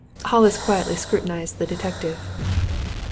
Hollis quietly scrutinized the detective.